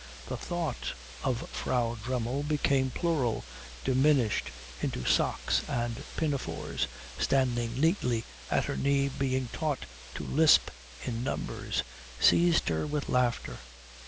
The thought of Frau Dremmel become plural, diminished into socks and pinafores, standing neatly at her knee being taught to lisp in numbers, seized her with laughter.